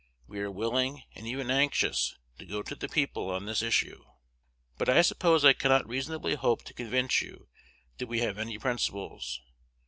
We are willing, and even anxious, to go to the people on this issue. But I suppose I cannot reasonably hope to convince you that we have any principles.